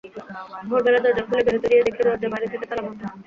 ভোরবেলা দরজা খুলে বেরুতে গিয়ে দেখি দরজা বাইরে থেকে তালাবন্ধ।